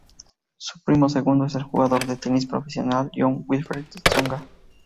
Su primo segundo es jugador de tenis profesional Jo-Wilfried Tsonga.